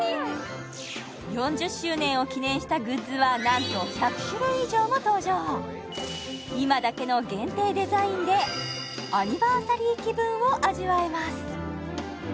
４０周年を記念したグッズはなんと１００種類以上も登場今だけの限定デザインでアニバーサリー気分を味わえます